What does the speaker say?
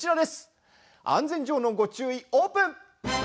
安全上のご注意、オープン！